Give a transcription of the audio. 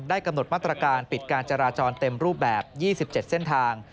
กำหนดมาตรการปิดการจราจรเต็มรูปแบบ๒๗เส้นทาง